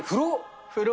風呂？